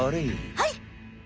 はい！